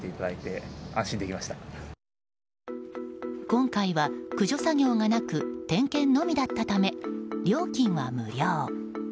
今回は駆除作業がなく点検のみだったため料金は無料。